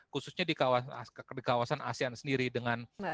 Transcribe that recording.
khususnya di kawasan asean sendiri dengan jepang ataupun dengan tiongkok seperti itu